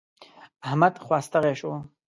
احمد خوا ستغی شو.